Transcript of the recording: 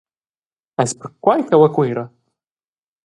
Eis perquei cheu a Cuera?